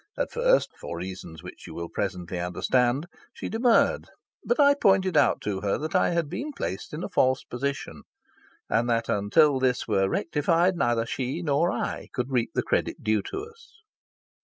At first (for reasons which you will presently understand) she demurred. But I pointed out to her that I had been placed in a false position, and that until this were rectified neither she nor I could reap the credit due to us.